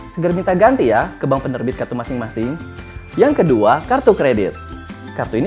segera minta ganti ya ke bank penerbit kartu masing masing yang kedua kartu kredit kartu ini